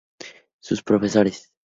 Sus profesores